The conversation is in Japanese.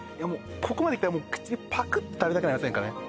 ここまでいったらもう口にパクッて食べたくなりませんかね